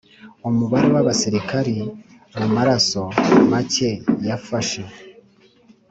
umubare w abasirikari mu maraso make yafashe